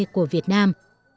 của việt nam